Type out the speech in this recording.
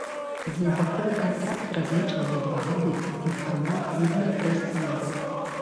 Двухбаковы кантракт разлічаны на два гады, інфармуе клубная прэс-служба.